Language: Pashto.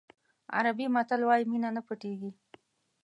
عربي متل وایي مینه نه پټېږي.